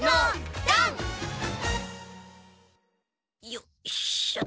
よいしょ。